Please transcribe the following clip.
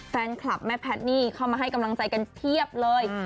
แฟนคลับแม่แพทย์นี่เข้ามาให้กำลังใจกันเพียบเลย